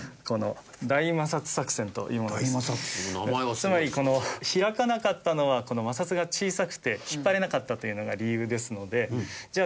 つまりこの開かなかったのは摩擦が小さくて引っ張れなかったというのが理由ですのでじゃあ